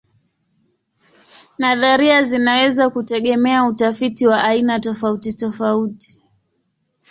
Nadharia zinaweza kutegemea utafiti wa aina tofautitofauti.